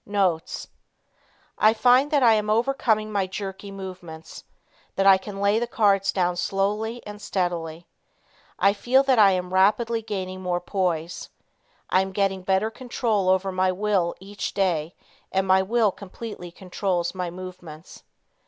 Notes. I find that I am overcoming my jerky movements, that I can lay the cards down slowly and steadily. I feel that I am rapidly gaining more poise. I am getting better control over my will each day, and my will completely controls my movements.